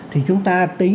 thì chúng ta tính